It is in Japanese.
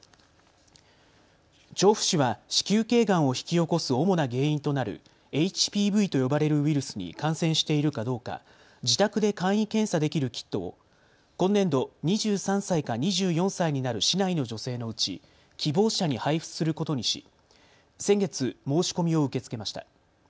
調布市は子宮頸がんを引き起こす主な原因となるＨＰＶと呼ばれるウイルスに感染しているかどうか自宅で簡易検査できるキットを今年度、２３歳から２４歳になる市内の女性のうち希望者に配布することにし、先月、申し込みを受け付けました。